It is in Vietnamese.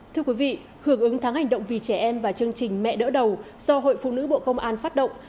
thưa quý vị hưởng ứng tháng hành động vì trẻ em và chương trình mẹ đỡ đầu do hội phụ nữ bộ công an phát động